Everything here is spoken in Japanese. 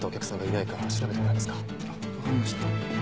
わかりました。